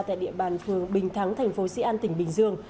tại địa bàn phường bình thắng thành phố sĩ an tỉnh bình dương